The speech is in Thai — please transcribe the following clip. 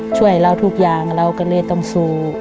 ช่วยเราทุกอย่างเราก็เลยต้องสู้